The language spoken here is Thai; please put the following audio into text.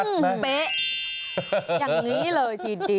อย่างนี้เลยชีดดี